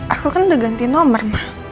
aku kan udah ganti nomor